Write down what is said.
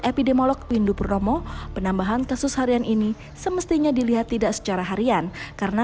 epidemiolog pindu purnomo penambahan kasus harian ini semestinya dilihat tidak secara harian karena